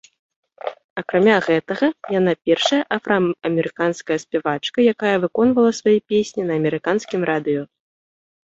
Акрамя гэтага яна першая афраамерыканская спявачка, якая выконвала свае песні на амерыканскім радыё.